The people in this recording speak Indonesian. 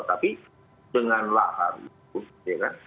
tapi dengan lahar itu ya kan